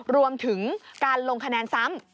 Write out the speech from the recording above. รวมถึงการลงคะแนนซ้ำ